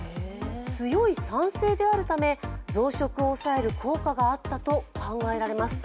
強い酸性であるため増殖を抑える効果があったと考えられます。